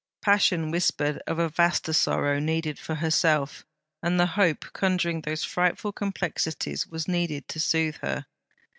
Passion whispered of a vaster sorrow needed for herself; and the hope conjuring those frightful complexities was needed to soothe her.